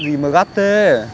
gì mà gắt thế